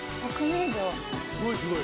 すごい！